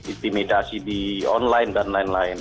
intimidasi di online dan lain lain